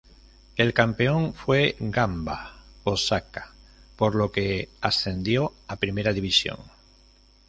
El campeón fue Gamba Osaka, por lo que ascendió a Primera División.